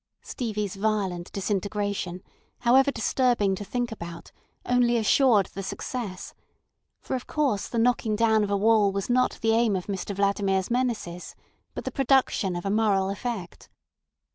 Stevie's violent disintegration, however disturbing to think about, only assured the success; for, of course, the knocking down of a wall was not the aim of Mr Vladimir's menaces, but the production of a moral effect.